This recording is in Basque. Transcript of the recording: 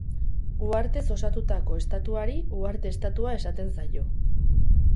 Uhartez osatutako estatuari uharte estatua esaten zaio.